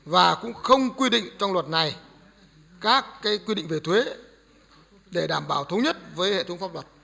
và cũng không quy định trong luật này các quy định về thuế để đảm bảo thống nhất với hệ thống pháp luật